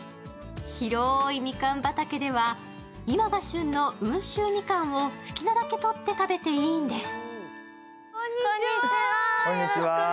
広いみかん畑では今が旬の温州みかんを好きなだけとって食べていいんです。